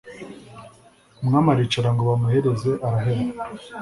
umwami aricara ngo bamuhereze araheba.